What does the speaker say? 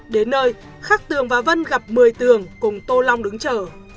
đến nơi khắc tường và vân gặp mười tường cùng tô long đứng chở